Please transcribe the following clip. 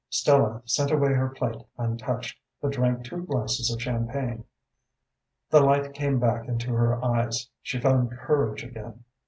Stella sent away her plate untouched, but drank two glasses of champagne. The light came back to her eyes, she found courage again.